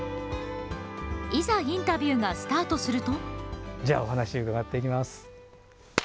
いざインタビューがスタートすると。